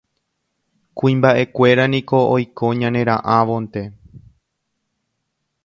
Kuimba'ekuéra niko oiko ñanera'ãvonte